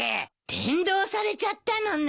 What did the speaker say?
伝道されちゃったのね。